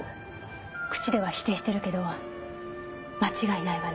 口では否定してるけど間違いないわね。